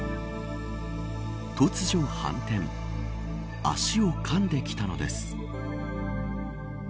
突如、反転足をかんできたのです。